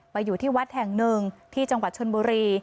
อยู่ที่วัดแห่งหนึ่งที่จังหวัดชนบุรี